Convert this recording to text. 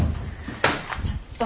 ちょっと。